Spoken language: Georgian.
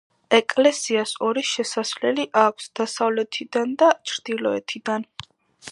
ეკლესიას ორი შესასვლელი აქვს: დასავლეთიდან და ჩრდილოეთიდან.